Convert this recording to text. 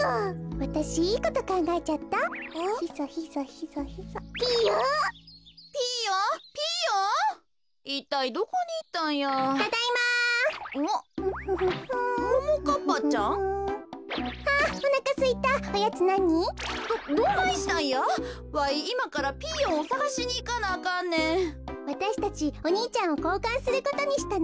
わたしたちお兄ちゃんをこうかんすることにしたの。